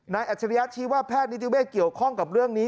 อัจฉริยะชี้ว่าแพทย์นิติเวศเกี่ยวข้องกับเรื่องนี้